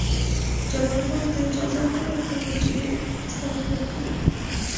جبار خان ته اجازه مه ور کوه چې ډېر څښاک وکړي.